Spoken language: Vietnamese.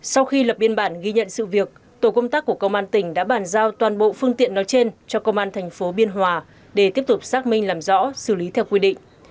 sau khi lập biên bản ghi nhận sự việc tổ công tác của công an tỉnh đã bàn giao toàn bộ phương tiện nói trên cho công an thành phố biên hòa để tiếp tục xác minh làm rõ xử lý theo quy định